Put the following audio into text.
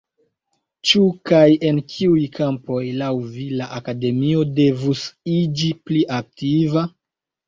Ĉu, kaj en kiuj kampoj, laŭ vi la Akademio devus iĝi pli aktiva?